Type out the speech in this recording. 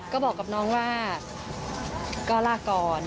ก็บอกกับน้องว่าก็ลาก่อน